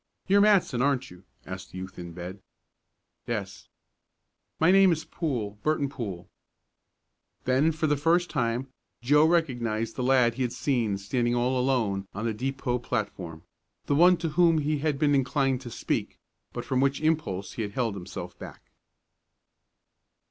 "You're Matson; aren't you?" asked the youth in bed. "Yes." "My name is Poole Burton Poole." Then, for the first time Joe recognized the lad he had seen standing all alone on the depot platform the one to whom he had been inclined to speak but from which impulse he had held himself back.